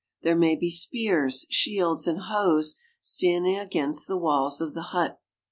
There may be spears, shields, and hoes standing against the walls of the hut.